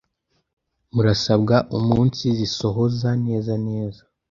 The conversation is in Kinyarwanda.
murasabwa umunsizisohoza neza neza